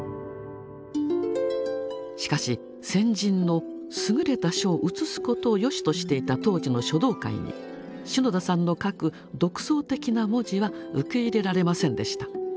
しかし先人の優れた書を写すことをよしとしていた当時の書道界に篠田さんの書く独創的な文字は受け入れられませんでした。